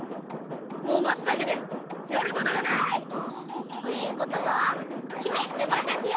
もうまつだけでやることがない！ということは姫でばんですよ！